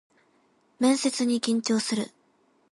面接に緊張する